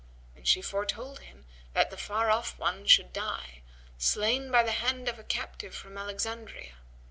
And she foretold him that the far off one[FN#125] should die, slain by the hand of a captive from Alexandria.